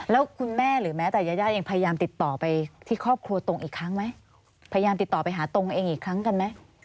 แล้วคุณแม่หรือแม่แต่ยายายังพยายามติดต่อไปที่ครอบครัวตรงอีกครั้งไหม